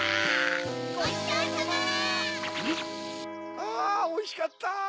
あおいしかった。